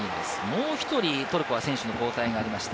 もう１人、トルコは選手の交代がありました。